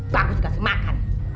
bagus juga sih makan